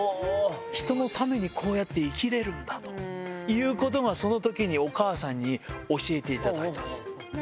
人のためにこうやって生きれるんだということが、そのときにお母さんに教えていただいたんです。